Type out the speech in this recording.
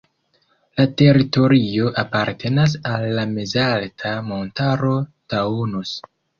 La teritorio apartenas al la mezalta montaro Taunus.